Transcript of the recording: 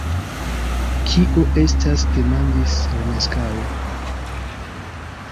Kio estas? demandis Romeskaŭ.